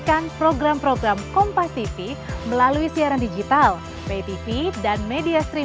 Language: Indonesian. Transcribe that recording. kalau memang hakim mk nanti mengundang dengan senang hati kita akan nanti